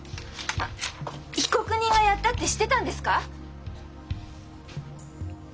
あ被告人がやったって知ってたんですか！？